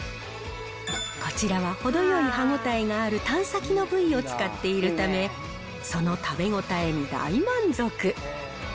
こちらは程よい歯応えがあるタン先の部位を使っているため、その食べ応えに大満足。